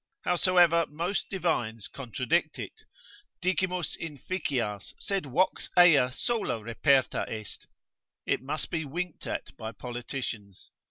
Howsoever most divines contradict it, dicimus inficias, sed vox ea sola reperta est, it must be winked at by politicians.